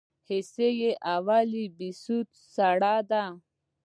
حصه اول بهسود سړه ده؟